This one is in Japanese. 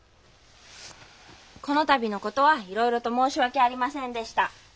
この度のことはいろいろと申し訳ありませんでした。